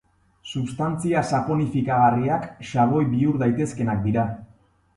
Substantzia saponifikagarriak xaboi bihur daitezkeenak dira.